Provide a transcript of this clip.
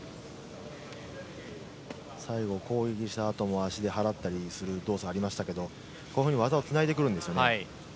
最後に攻撃したあとも足で払う動作もありましたけどこうやって技でつないでくるんですよね。